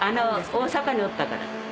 大阪におったから。